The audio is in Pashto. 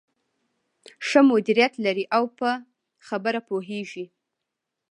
ښه مديريت لري او په خبره پوهېږې.